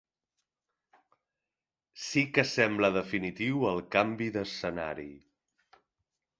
Sí que sembla definitiu el canvi d’escenari.